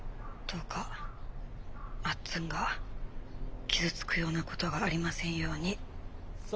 どうかまっつんが傷つくようなことがありませんように。